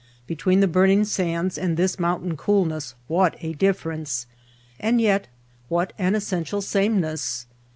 Between the burning sands and this moun tain coolness what a difference, and yet what an essential sameness!